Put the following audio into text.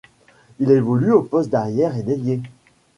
Il évolue aux poste d'arrière et d'ailier.